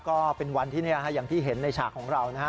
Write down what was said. ก็เป็นวันที่อย่างที่เห็นในฉากของเรานะฮะ